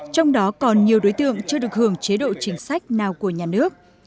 trong đó còn nhiều đối tượng chưa được hưởng chế độ chính sách nào của nhà nước